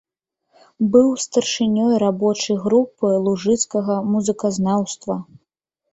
Быў старшынёй рабочай групы лужыцкага музыказнаўства.